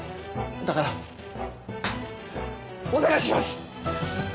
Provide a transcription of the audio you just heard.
だからお願いします！